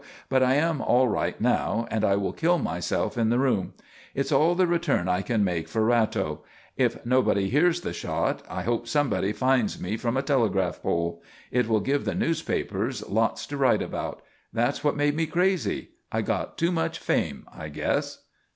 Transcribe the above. But I am all right now and I will kill myself in the room. It's all the return I can make for Ratto. If nobody hears the shot I hope somebody finds me from a telegraph pole. It will give the newspapers lots to write about. That's what made me crazy. I got too much fame, I guess.